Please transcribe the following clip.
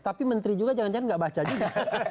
tapi menteri juga jangan jangan nggak baca juga